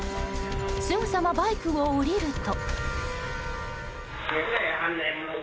すぐさまバイクを降りると。